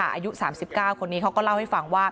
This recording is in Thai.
อายุ๓๙คนนี้เขาก็เล่าให้ฟังว่า